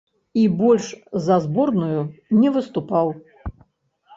І больш за зборную не выступаў.